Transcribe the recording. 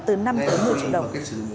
từ năm tới một mươi triệu đồng